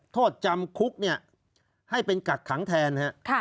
โทษจำคุกเนี่ยให้เป็นกักขังแทน